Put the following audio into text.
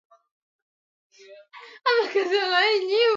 Maafisa wa jeshi la Wajerumani waliokuwa walinda mipaka